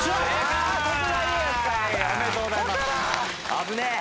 危ねえ。